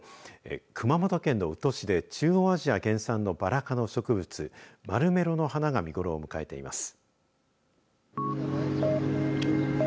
熊本県のうと市で中央アジア原産のバラ科の植物マルメロの花が見頃を迎えています。